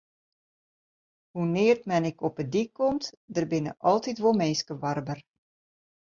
Hoenear't men ek op 'e dyk komt, der binne altyd wol minsken warber.